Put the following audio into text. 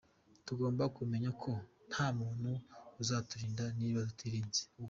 Tugomba kumenya ko nta muntu uzaturinda niba tutirinze ubwacu.